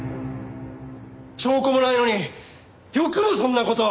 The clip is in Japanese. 証拠もないのによくもそんな事を。